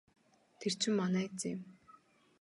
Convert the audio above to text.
Тэр чинь манай эзэн юм.